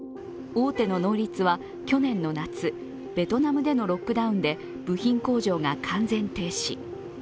大手のノーリツは去年の夏、ベトナムでのロックダウンで部品工場が完全停止。